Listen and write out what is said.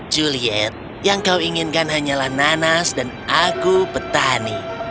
juliet yang kau inginkan hanyalah nanas dan aku petani